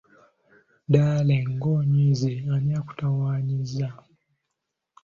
Darling, ng'onyiize ani akutawaanyiza?